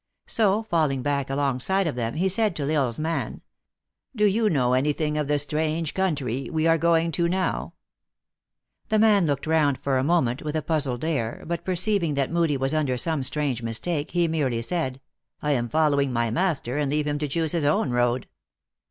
So, falling back 246 THE ACTRESS IN HIGH LIFE. pV alongside of them, he said to L Isle s man :" Do yon know any thing of the strange country we are going to now ?" The man looked around for a moment with a puz z ed air, but perceiving that Moodie was under some strange mistake, he merely said :" I am following my master, and leave him to choose his own road."